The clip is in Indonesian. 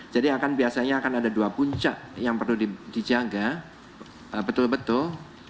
jadi biasanya akan ada dua puncak yang perlu dijaga betul betul